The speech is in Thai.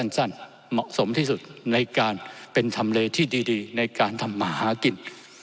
เหมาะสมที่สุดในการเป็นทำเลที่ดีในการทำมาหากิน